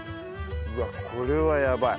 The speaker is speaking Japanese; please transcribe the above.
うわっこれはやばい。